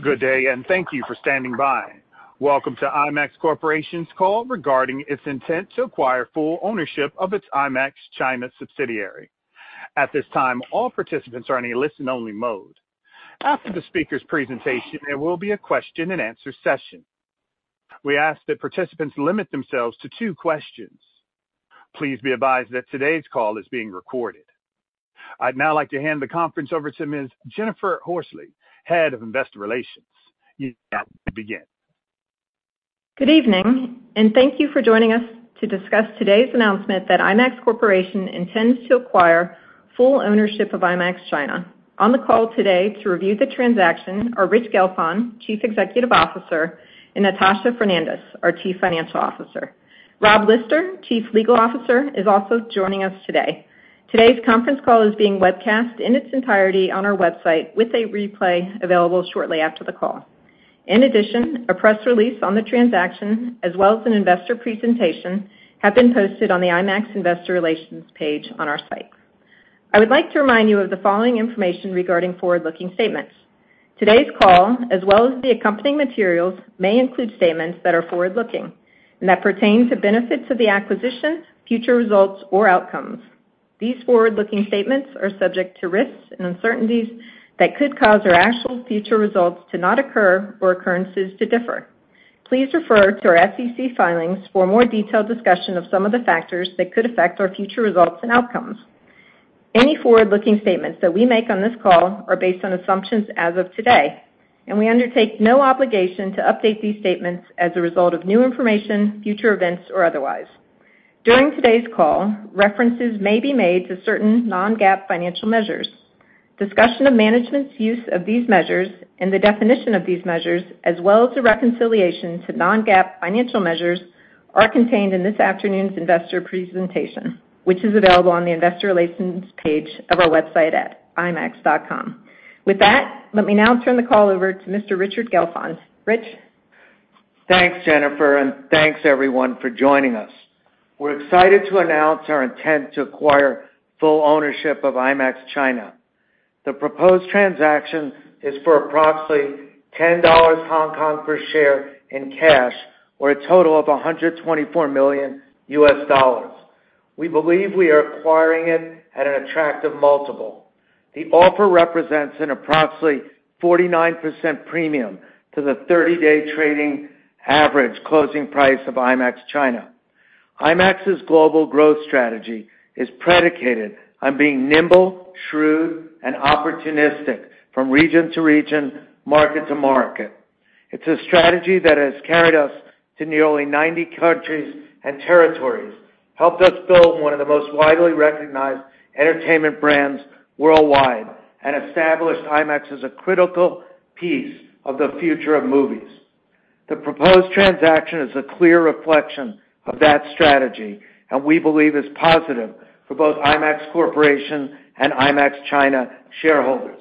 Good day, thank you for standing by. Welcome to IMAX Corporation's call regarding its intent to acquire full ownership of its IMAX China subsidiary. At this time, all participants are in a listen-only mode. After the speaker's presentation, there will be a question-and-answer session. We ask that participants limit themselves to two questions. Please be advised that today's call is being recorded. I'd now like to hand the conference over to Ms. Jennifer Horsley, Head of Investor Relations. You can now begin. Good evening, and thank you for joining us to discuss today's announcement that IMAX Corporation intends to acquire full ownership of IMAX China. On the call today to review the transaction are Rich Gelfond, Chief Executive Officer, and Natasha Fernandes, our Chief Financial Officer. Rob Lister, Chief Legal Officer, is also joining us today. Today's conference call is being webcast in its entirety on our website, with a replay available shortly after the call. In addition, a press release on the transaction, as well as an investor presentation, have been posted on the IMAX Investor Relations page on our site. I would like to remind you of the following information regarding forward-looking statements. Today's call, as well as the accompanying materials, may include statements that are forward-looking and that pertain to benefits of the acquisition, future results, or outcomes. These forward-looking statements are subject to risks and uncertainties that could cause our actual future results to not occur or occurrences to differ. Please refer to our SEC filings for a more detailed discussion of some of the factors that could affect our future results and outcomes. Any forward-looking statements that we make on this call are based on assumptions as of today, and we undertake no obligation to update these statements as a result of new information, future events, or otherwise. During today's call, references may be made to certain non-GAAP financial measures. Discussion of management's use of these measures and the definition of these measures, as well as the reconciliation to non-GAAP financial measures, are contained in this afternoon's investor presentation, which is available on the Investor Relations page of our website at imax.com. With that, let me now turn the call over to Mr. Richard Gelfond. Rich? Thanks, Jennifer. Thanks, everyone, for joining us. We're excited to announce our intent to acquire full ownership of IMAX China. The proposed transaction is for approximately 10 Hong Kong dollars per share in cash or a total of $124 million. We believe we are acquiring it at an attractive multiple. The offer represents an approximately 49% premium to the 30-day trading average closing price of IMAX China. IMAX's global growth strategy is predicated on being nimble, shrewd, and opportunistic from region to region, market to market. It's a strategy that has carried us to nearly 90 countries and territories, helped us build one of the most widely recognized entertainment brands worldwide, and established IMAX as a critical piece of the future of movies. The proposed transaction is a clear reflection of that strategy, and we believe is positive for both IMAX Corporation and IMAX China shareholders.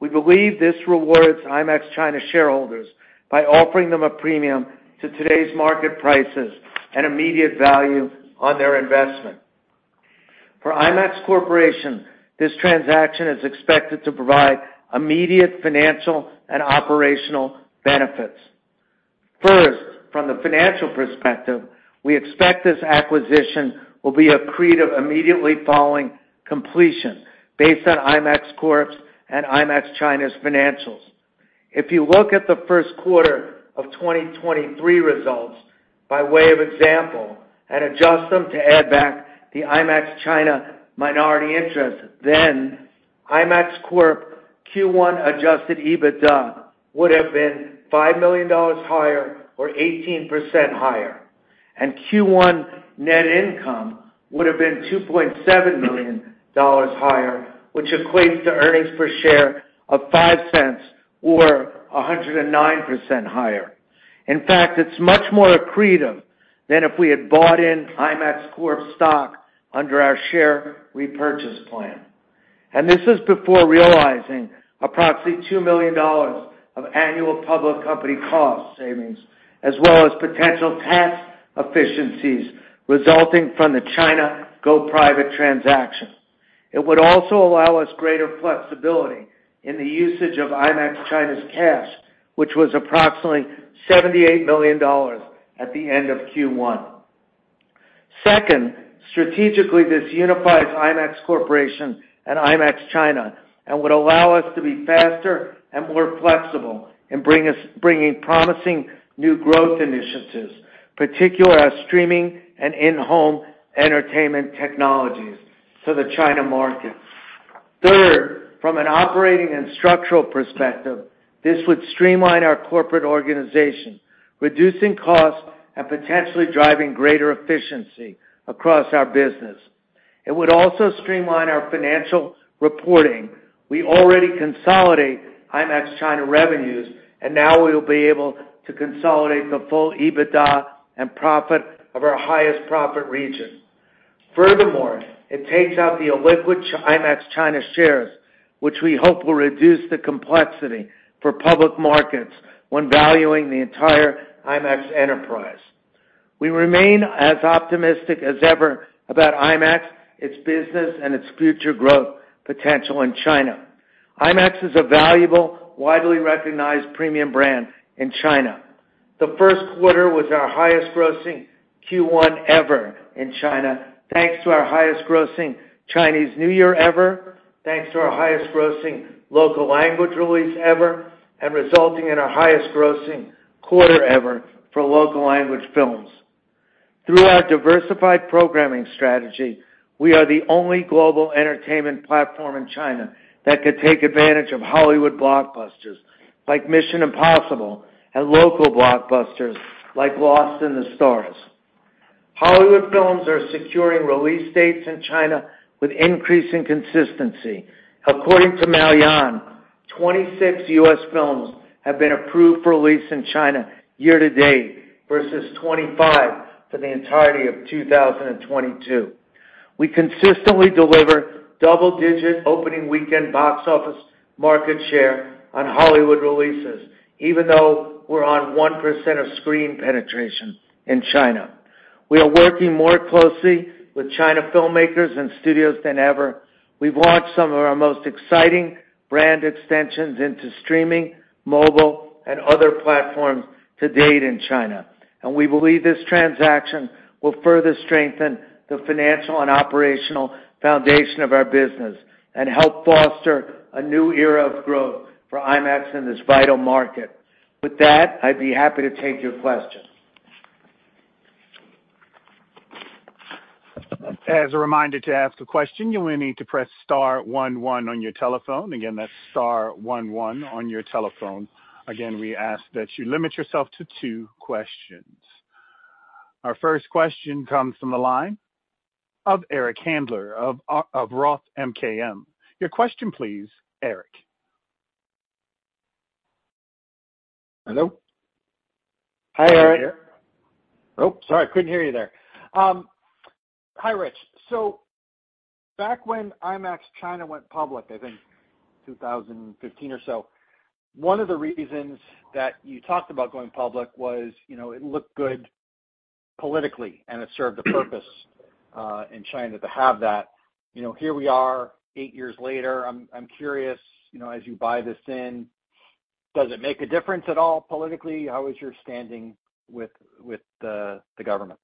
We believe this rewards IMAX China shareholders by offering them a premium to today's market prices and immediate value on their investment. For IMAX Corporation, this transaction is expected to provide immediate financial and operational benefits. First, from the financial perspective, we expect this acquisition will be accretive immediately following completion based on IMAX Corp's and IMAX China's financials. If you look at the Q1 of 2023 results, by way of example, and adjust them to add back the IMAX China minority interest, then IMAX Corp. Q1 adjusted EBITDA would have been $5 million higher or 18% higher, and Q1 net income would have been $2.7 million higher, which equates to earnings per share of $0.05 or 109% higher. In fact, it's much more accretive than if we had bought in IMAX Corp. stock under our share repurchase plan. This is before realizing approximately $2 million of annual public company cost savings, as well as potential tax efficiencies resulting from the China go private transaction. It would also allow us greater flexibility in the usage of IMAX China's cash, which was approximately $78 million at the end of Q1. Second, strategically, this unifies IMAX Corporation and IMAX China and would allow us to be faster and more flexible in bringing promising new growth initiatives, particularly our streaming and in-home entertainment technologies to the China market. Third, from an operating and structural perspective, this would streamline our corporate organization, reducing costs and potentially driving greater efficiency across our business. It would also streamline our financial reporting. We already consolidate IMAX China revenues. Now we will be able to consolidate the full EBITDA and profit of our highest profit region. Furthermore, it takes out the illiquid IMAX China shares, which we hope will reduce the complexity for public markets when valuing the entire IMAX enterprise. We remain as optimistic as ever about IMAX, its business, and its future growth potential in China. IMAX is a valuable, widely recognized premium brand in China. The Q1 was our highest grossing Q1 ever in China, thanks to our highest grossing Chinese New Year ever, thanks to our highest grossing local language release ever, resulting in our highest grossing quarter ever for local language films. Through our diversified programming strategy, we are the only global entertainment platform in China that could take advantage of Hollywood blockbusters like Mission: Impossible, and local blockbusters like Lost in the Stars. Hollywood films are securing release dates in China with increasing consistency. According to Maoyan, 26 U.S. films have been approved for release in China year to date, versus 25 for the entirety of 2022. We consistently deliver double-digit opening weekend box office market share on Hollywood releases, even though we're on 1% of screen penetration in China. We are working more closely with China filmmakers and studios than ever. We've launched some of our most exciting brand extensions into streaming, mobile, and other platforms to date in China, and we believe this transaction will further strengthen the financial and operational foundation of our business and help foster a new era of growth for IMAX in this vital market. With that, I'd be happy to take your questions. As a reminder, to ask a question, you will need to press star one one on your telephone. That's star one one on your telephone. We ask that you limit yourself to two questions. Our first question comes from the line of Eric Handler of Roth MKM. Your question please, Eric. Hello? Hi, Eric. sorry, couldn't hear you there. Hi, Rich. Back when IMAX China went public, I think 2015 or so, one of the reasons that you talked about going public was, you know, it looked good politically, and it served a purpose in China to have that. You know, here we are, eight years later. I'm curious, you know, as you buy this in, does it make a difference at all politically? How is your standing with the government?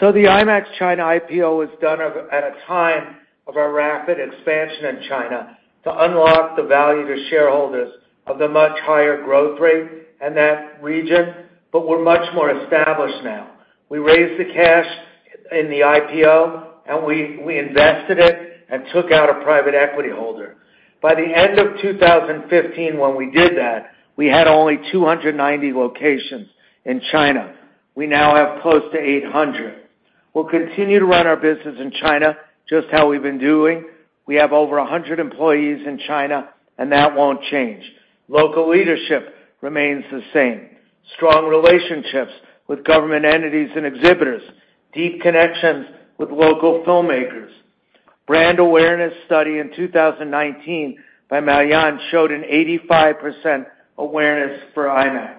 The IMAX China IPO was done at a time of our rapid expansion in China to unlock the value to shareholders of the much higher growth rate in that region. We're much more established now. We raised the cash in the IPO, and we invested it and took out a private equity holder. By the end of 2015, when we did that, we had only 290 locations in China. We now have close to 800. We'll continue to run our business in China just how we've been doing. We have over 100 employees in China. That won't change. Local leadership remains the same. Strong relationships with government entities and exhibitors, deep connections with local filmmakers. Brand awareness study in 2019 by Maoyan showed an 85% awareness for IMAX.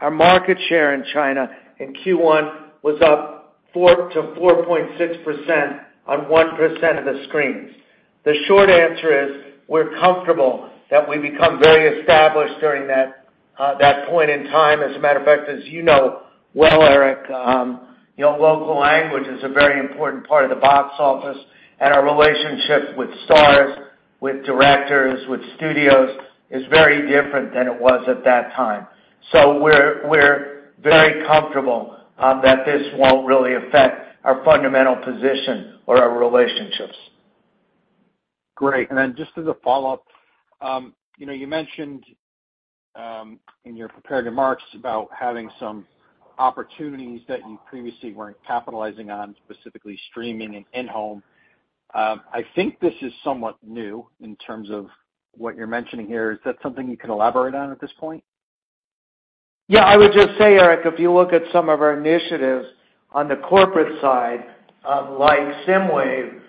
Our market share in China in Q1 was up 4%-4.6% on 1% of the screens. The short answer is, we're comfortable that we've become very established during that point in time. As a matter of fact, as you know well, Eric, you know, local language is a very important part of the box office, and our relationships with stars, with directors, with studios is very different than it was at that time. We're, we're very comfortable that this won't really affect our fundamental position or our relationships. Great. Just as a follow-up, you know, you mentioned in your prepared remarks about having some opportunities that you previously weren't capitalizing on, specifically streaming and in-home. I think this is somewhat new in terms of what you're mentioning here. Is that something you can elaborate on at this point? Yeah, I would just say, Eric, if you look at some of our initiatives on the corporate side, like SSIMWAVE,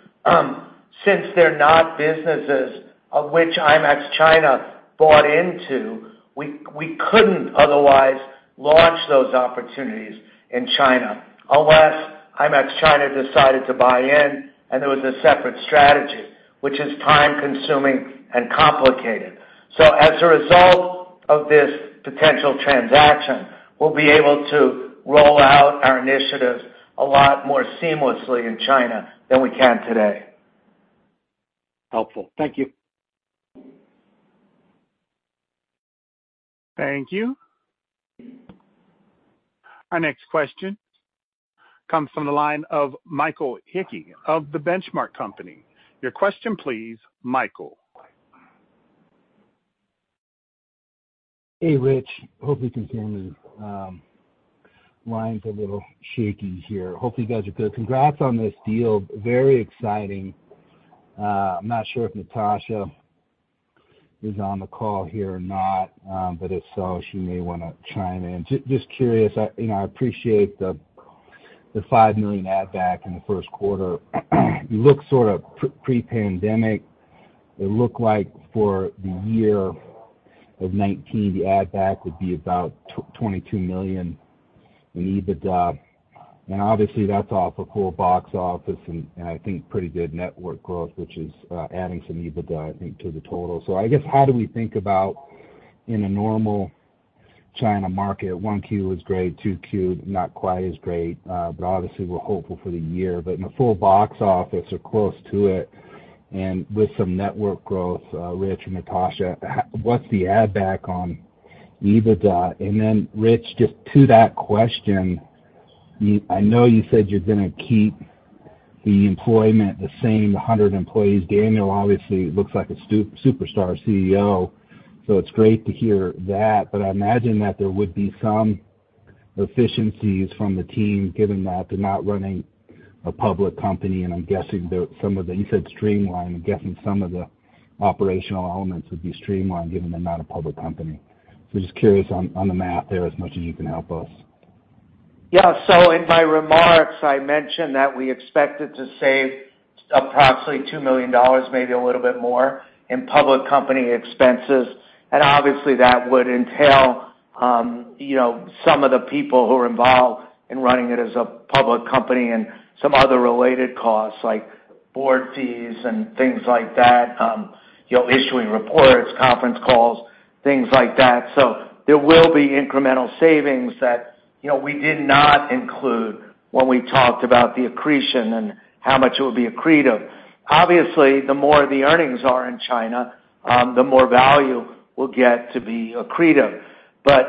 since they're not businesses of which IMAX China bought into, we couldn't otherwise launch those opportunities in China. Unless IMAX China decided to buy in, and there was a separate strategy, which is time-consuming and complicated. As a result of this potential transaction, we'll be able to roll out our initiatives a lot more seamlessly in China than we can today. Helpful. Thank you. Thank you. Our next question comes from the line of Mike Hickey of The Benchmark Company. Your question please, Michael. Hey, Rich. Hope you can hear me. line's a little shaky here. Hopefully, you guys are good. Congrats on this deal. Very exciting. I'm not sure if Natasha is on the call here or not, but if so, she may wanna chime in. Just curious, you know, I appreciate the $5 million add back in the Q1. You look sort of pre-pandemic, it looked like for the year of 2019, the add back would be about $22 million in EBITDA. Obviously, that's off a full box office, and I think pretty good network growth, which is adding some EBITDA, I think, to the total. I guess, how do we think about in a normal China market, 1 Q is great, 2 Q, not quite as great, but obviously, we're hopeful for the year. In a full box office or close to it, and with some network growth, Rich and Natasha, what's the add back on EBITDA? Rich, just to that question, I know you said you're gonna keep the employment the same, 100 employees. Daniel obviously looks like a superstar CEO, so it's great to hear that. I imagine that there would be some efficiencies from the team, given that they're not running a public company, and I'm guessing that some of the, you said streamline. I'm guessing some of the operational elements would be streamlined, given they're not a public company. Just curious on the math there, as much as you can help us. In my remarks, I mentioned that we expected to save approximately $2 million, maybe a little bit more, in public company expenses, and obviously that would entail, you know, some of the people who are involved in running it as a public company and some other related costs, like board fees and things like that, you know, issuing reports, conference calls, things like that. There will be incremental savings that, you know, we did not include when we talked about the accretion and how much it will be accretive. Obviously, the more the earnings are in China, the more value we'll get to be accretive.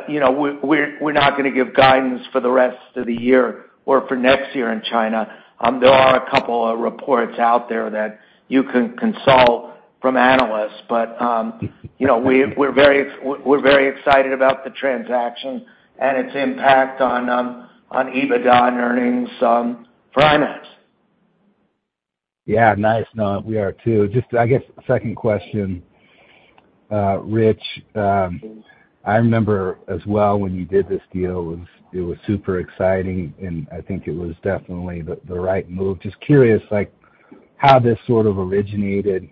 You know, we're not gonna give guidance for the rest of the year or for next year in China. There are a couple of reports out there that you can consult from analysts, but, you know, we're very excited about the transaction and its impact on EBITDA and earnings, for IMAX. Yeah, nice. No, we are too. Just, I guess, second question, Rich. I remember as well when you did this deal, it was super exciting, and I think it was definitely the right move. Just curious, like, how this sort of originated,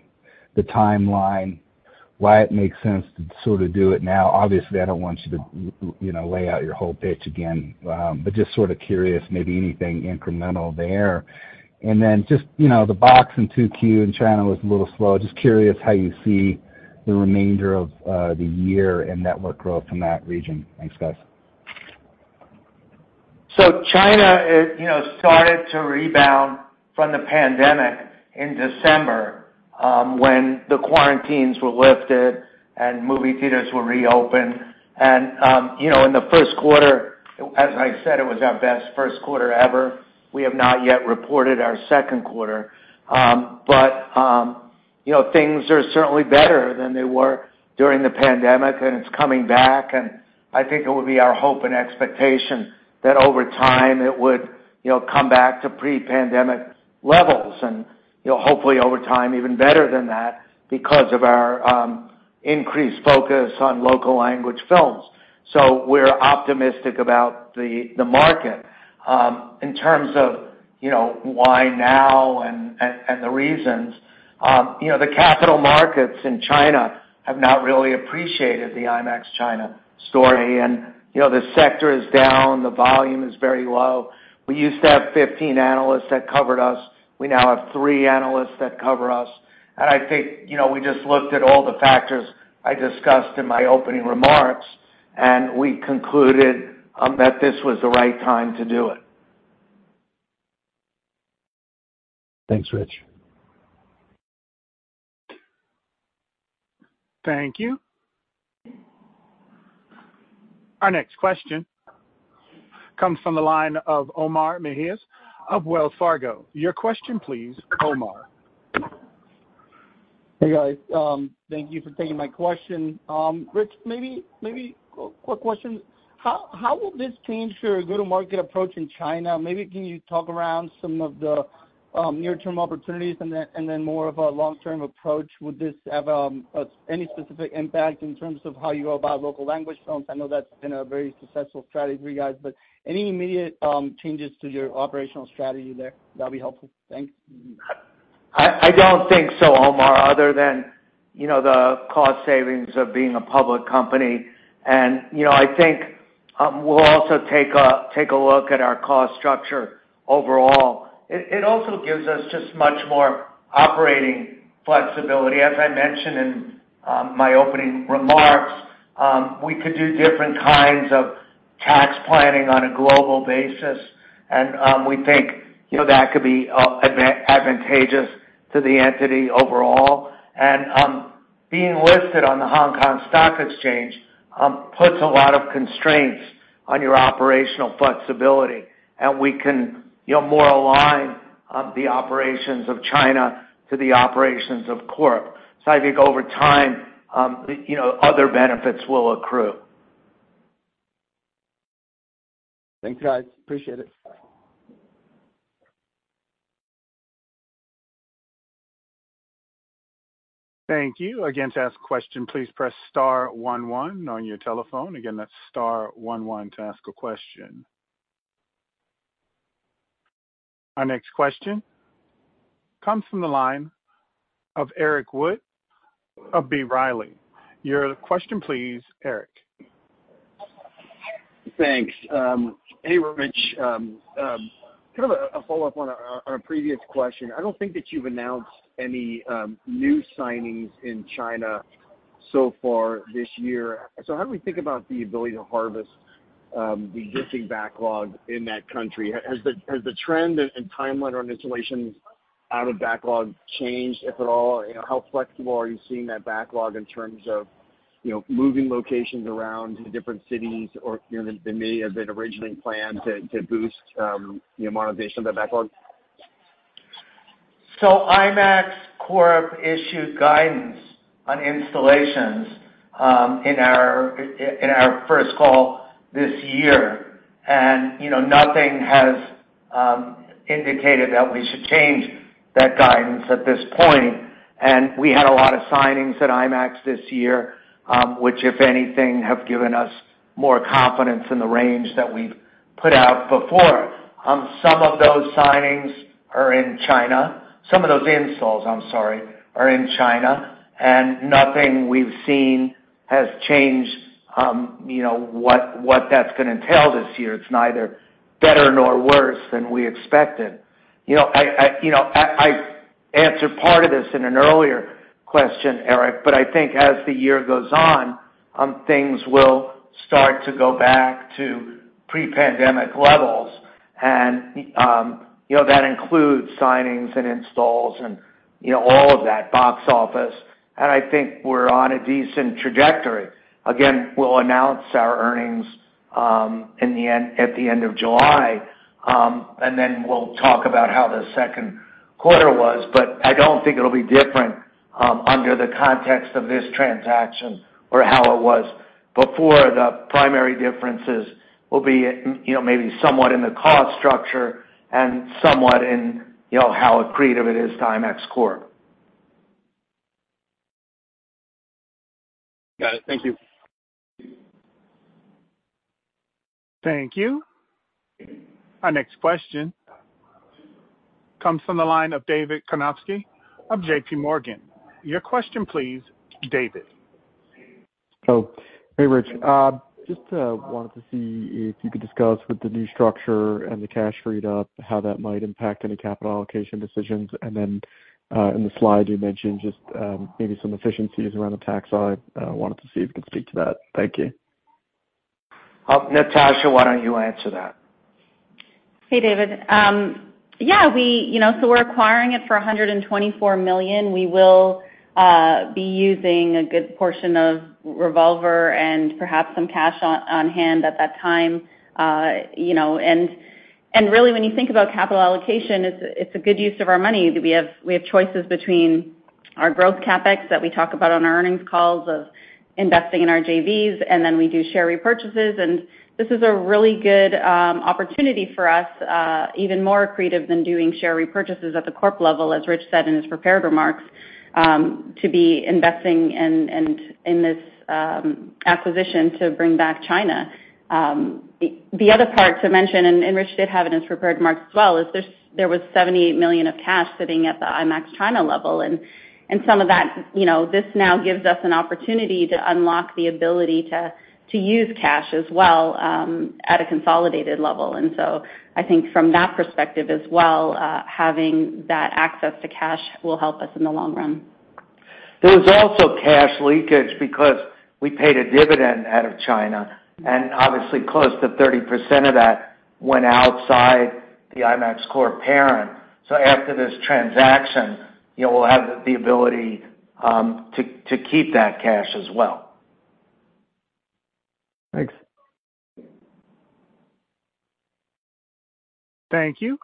the timeline, why it makes sense to sort of do it now? Obviously, I don't want you to, you know, lay out your whole pitch again, but just sort of curious, maybe anything incremental there. Just, you know, the box in 2Q in China was a little slow. Just curious how you see the remainder of the year in network growth in that region. Thanks, guys. China, it, you know, started to rebound from the pandemic in December, when the quarantines were lifted and movie theaters were reopened. You know, in the Q1, as I said, it was our best Q1 ever. We have not yet reported our Q2. You know, things are certainly better than they were during the pandemic, and it's coming back, and I think it would be our hope and expectation that over time it would, you know, come back to pre-pandemic levels and, you know, hopefully over time, even better than that, because of our increased focus on local language films. We're optimistic about the market. In terms of, you know, why now and, and the reasons, you know, the capital markets in China have not really appreciated the IMAX China story. You know, the sector is down, the volume is very low. We used to have 15 analysts that covered us. We now have 3 analysts that cover us. I think, you know, we just looked at all the factors I discussed in my opening remarks, and we concluded that this was the right time to do it. Thanks, Rich. Thank you. Our next question comes from the line of Omar Mejias of Wells Fargo. Your question, please, Omar. Hey, guys. Thank you for taking my question. Rich, maybe quick question: How will this change your go-to-market approach in China? Maybe can you talk around some of the near-term opportunities and then more of a long-term approach? Would this have any specific impact in terms of how you go about local language films? I know that's been a very successful strategy for you guys, but any immediate changes to your operational strategy there, that'll be helpful. Thanks. I don't think so, Omar, other than, you know, the cost savings of being a public company. You know, I think we'll also take a look at our cost structure overall. It also gives us just much more operating flexibility. As I mentioned in my opening remarks, we could do different kinds of tax planning on a global basis, and we think, you know, that could be advantageous to the entity overall. Being listed on the Hong Kong Stock Exchange puts a lot of constraints on your operational flexibility, and we can, you know, more align the operations of China to the operations of Corp. I think over time, you know, other benefits will accrue. Thanks, guys. Appreciate it. Thank you. Again, to ask a question, please press star one one on your telephone. Again, that's star one one to ask a question. Our next question comes from the line of Eric Wold of B. Riley. Your question, please, Eric. Thanks. Hey, Rich, kind of a follow-up on a previous question. I don't think that you've announced any new signings in China so far this year. How do we think about the ability to harvest the existing backlog in that country? Has the trend and timeline on installations out of backlog changed, if at all? You know, how flexible are you seeing that backlog in terms of, you know, moving locations around to different cities or, you know, than may have been originally planned to boost the monetization of that backlog? IMAX Corp. issued guidance on installations in our first call this year, and, you know, nothing has indicated that we should change that guidance at this point. We had a lot of signings at IMAX this year, which, if anything, have given us more confidence in the range that we've put out before. Some of those signings are in China. Some of those installs, I'm sorry, are in China, and nothing we've seen has changed, you know, what that's gonna entail this year. It's neither better nor worse than we expected. You know, I, you know, I answered part of this in an earlier question, Eric, but I think as the year goes on, things will start to go back to pre-pandemic levels. You know, that includes signings and installs and, you know, all of that, box office. I think we're on a decent trajectory. Again, we'll announce our earnings at the end of July, and then we'll talk about how the Q2 was. I don't think it'll be different under the context of this transaction or how it was before. The primary differences will be in, you know, maybe somewhat in the cost structure and somewhat in, you know, how accretive it is to IMAX Corp. Got it. Thank you. Thank you. Our next question comes from the line of David Karnovsky of JPMorgan. Your question, please, David. Hey, Rich, just wanted to see if you could discuss with the new structure and the cash freed up, how that might impact any capital allocation decisions. In the slide, you mentioned just maybe some efficiencies around the tax side. Wanted to see if you could speak to that. Thank you. Natasha, why don't you answer that? Hey, David. Yeah, we, you know, we're acquiring it for $124 million. We will be using a good portion of revolver and perhaps some cash on hand at that time. You know, and really, when you think about capital allocation, it's a good use of our money. We have choices between our growth CapEx that we talk about on our earnings calls of investing in our JVs, we do share repurchases. This is a really good opportunity for us, even more accretive than doing share repurchases at the Corp. level, as Rich said in his prepared remarks, to be investing in this acquisition to bring back China. The other part to mention, and Rich did have it in his prepared remarks as well, there was 78 million of cash sitting at the IMAX China level. Some of that, you know, this now gives us an opportunity to unlock the ability to use cash as well, at a consolidated level. I think from that perspective as well, having that access to cash will help us in the long run. There was also cash leakage because we paid a dividend out of China, and obviously close to 30% of that went outside the IMAX Corp parent. After this transaction, you know, we'll have the ability, to keep that cash as well. Thanks. Thank you.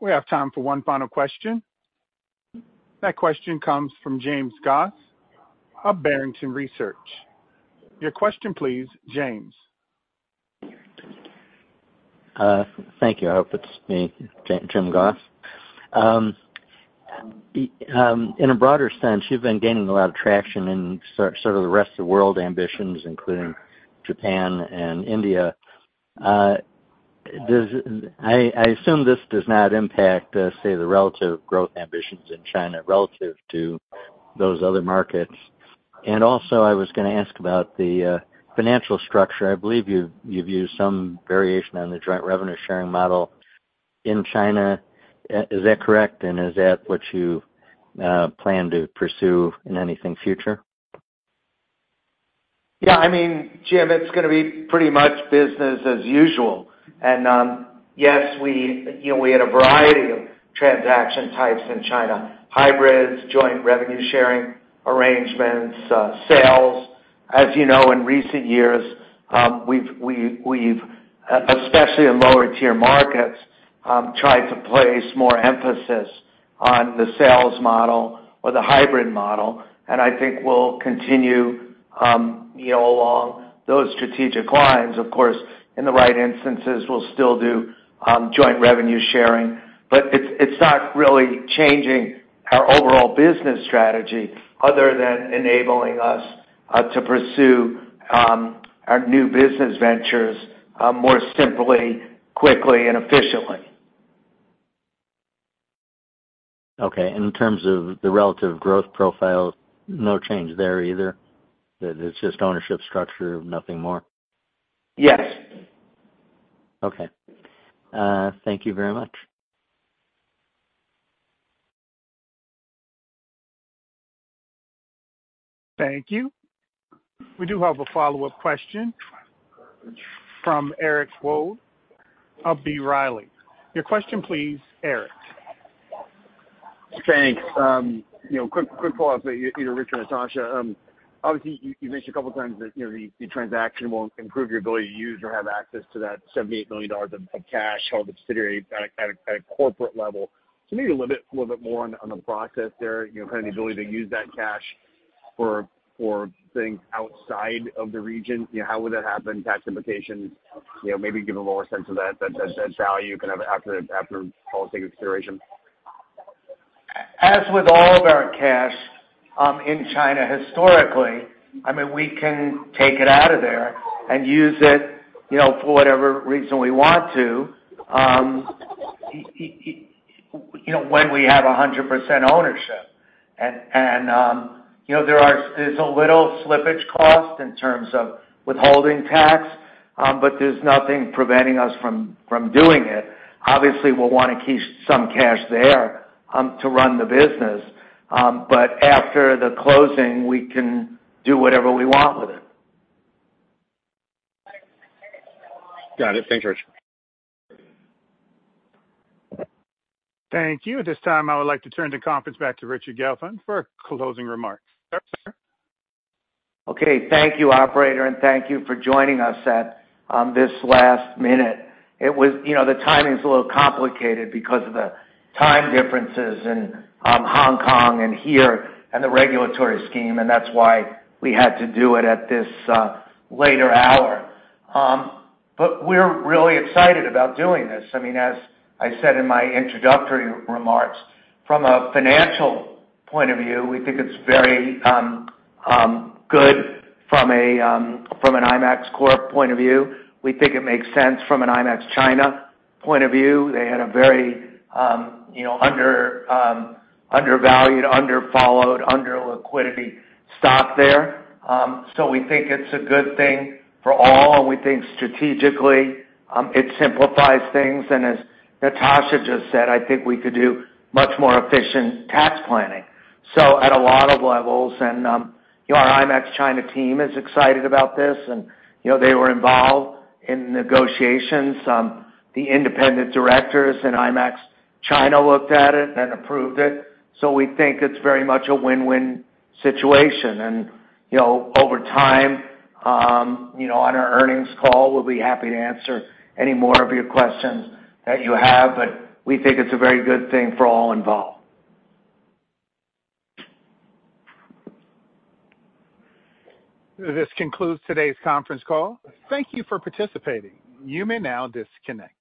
We have time for one final question. That question comes from Jim Goss of Barrington Research. Your question please, Jim. Thank you. I hope it's me, Jim Goss. In a broader sense, you've been gaining a lot of traction in sort of the rest of the world ambitions, including Japan and India. I assume this does not impact, say, the relative growth ambitions in China relative to those other markets. I was going to ask about the financial structure. I believe you've used some variation on the joint revenue-sharing model in China. Is that correct, and is that what you plan to pursue in anything future? Yeah, I mean, Jim, it's gonna be pretty much business as usual. Yes, we, you know, we had a variety of transaction types in China: hybrids, joint revenue-sharing arrangements, sales. As you know, in recent years, we've especially in lower-tier markets, tried to place more emphasis on the sales model or the hybrid model, and I think we'll continue, you know, along those strategic lines. Of course, in the right instances, we'll still do joint revenue sharing, but it's not really our overall business strategy other than enabling us to pursue our new business ventures more simply, quickly and efficiently. Okay. In terms of the relative growth profile, no change there either? That it's just ownership structure, nothing more. Yes. Okay. Thank you very much. Thank you. We do have a follow-up question from Eric Wold of B. Riley. Your question, please, Eric. Thanks. You know, quick follow-up either Richard or Natasha. Obviously, you mentioned a couple of times that, you know, the transaction will improve your ability to use or have access to that $78 million of cash held subsidiary at a corporate level. Maybe a little bit more on the process there, you know, kind of the ability to use that cash for things outside of the region. You know, how would that happen, tax implications? You know, maybe give a lower sense of that value kind of after all things consideration. As with all of our cash, in China, historically, I mean, we can take it out of there and use it, you know, for whatever reason we want to. You know, when we have 100% ownership and, you know, there's a little slippage cost in terms of withholding tax, there's nothing preventing us from doing it. Obviously, we'll wanna keep some cash there to run the business, after the closing, we can do whatever we want with it. Got it. Thanks, Richard. Thank you. At this time, I would like to turn the conference back to Richard Gelfond for closing remarks. Sir? Okay. Thank you, operator, and thank you for joining us at this last minute. You know, the timing's a little complicated because of the time differences in Hong Kong and here, and the regulatory scheme, and that's why we had to do it at this later hour. We're really excited about doing this. I mean, as I said in my introductory remarks, from a financial point of view, we think it's very good from a from an IMAX Corp. point of view. We think it makes sense from an IMAX China point of view. They had a very, you know, undervalued, underfollowed, under liquidity stock there. We think it's a good thing for all, and we think strategically, it simplifies things. As Natasha just said, I think we could do much more efficient tax planning. At a lot of levels, and, you know, our IMAX China team is excited about this, and, you know, they were involved in negotiations. The independent directors in IMAX China looked at it and approved it, so we think it's very much a win-win situation. You know, over time, you know, on our earnings call, we'll be happy to answer any more of your questions that you have, but we think it's a very good thing for all involved. This concludes today's conference call. Thank you for participating. You may now disconnect.